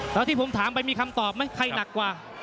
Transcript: แล้วที่ผมถามไปมีคำตอบไหมใครหนักกว่า